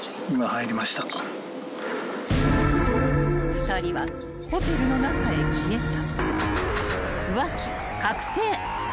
［２人はホテルの中へ消えた］